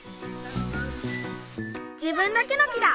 じぶんだけの木だ！